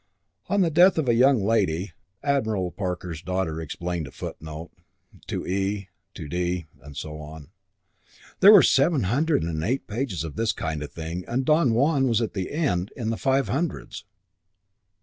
"On the Death of a Young Lady" (Admiral Parker's daughter, explained a footnote); "To E "; "To D " and so on. There were seven hundred and eight pages of this kind of thing and Don Juan was at the end, in the five hundreds.